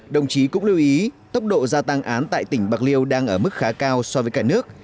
đồng chí cũng lưu ý tốc độ gia tăng án tại tỉnh bạc liêu đang ở mức khá cao so với cả nước